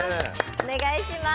お願いします。